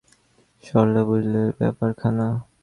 সরলা বুঝলে ব্যাপারখানা।